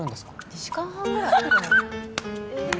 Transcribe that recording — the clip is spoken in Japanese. ２時間半ぐらいハハハ！